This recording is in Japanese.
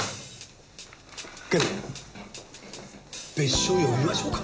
警部別所呼びましょうか？